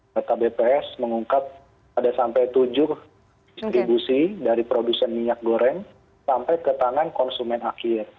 data bps mengungkap ada sampai tujuh distribusi dari produsen minyak goreng sampai ke tangan konsumen akhir